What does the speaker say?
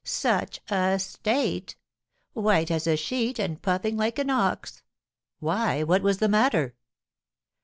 such a state! White as a sheet and puffing like an ox!" "Why, what was the matter?"